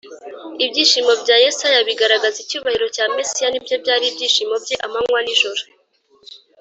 Ibyishimo bya Yesaya bigaragaza icyubahiro cya Mesiya ni byo byari ibyishimo bye amanywa n’ijoro,